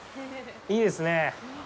いいですね。